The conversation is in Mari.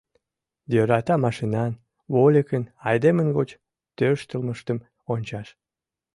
Йӧрата машинан, вольыкын, айдемын гоч тӧрштылмыштым ончаш!